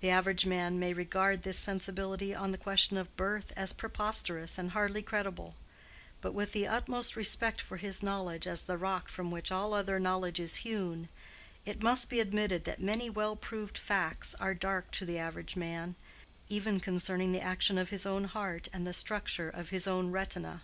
The average man may regard this sensibility on the question of birth as preposterous and hardly credible; but with the utmost respect for his knowledge as the rock from which all other knowledge is hewn, it must be admitted that many well proved facts are dark to the average man, even concerning the action of his own heart and the structure of his own retina.